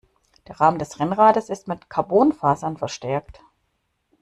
Der Rahmen des Rennrades ist mit Carbonfasern verstärkt.